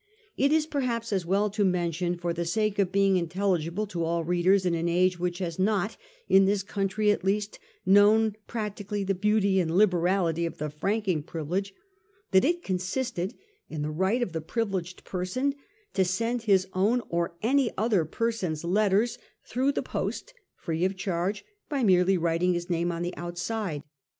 It is perhaps as well to men tion, for the sake of being intelligible to all readers in an age which has not, in this country at least, known practically the beauty and liberality of the franking privilege, that it consisted in the right of the pri vileged person to send his own or any other person's letters through the post free of charge by merely writing his name on the outside.